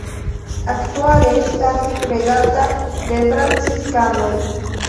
Aktuale estas regata de Franciskanoj.